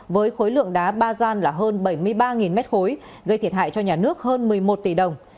với khối lượng đá ba gian là hơn bảy mươi ba m ba gây thiệt hại cho nhà nước hơn một mươi một tỷ đồng